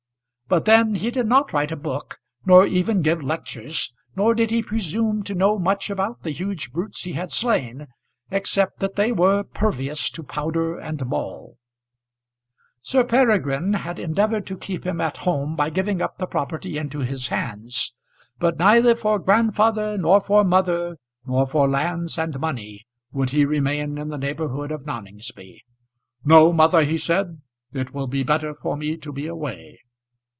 But then he did not write a book, nor even give lectures; nor did he presume to know much about the huge brutes he had slain, except that they were pervious to powder and ball. Sir Peregrine had endeavoured to keep him at home by giving up the property into his hands; but neither for grandfather, nor for mother, nor for lands and money would he remain in the neighbourhood of Noningsby. "No, mother," he said; "it will be better for me to be away."